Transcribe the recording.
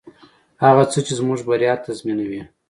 هغه څه چې زموږ بریا تضمینوي.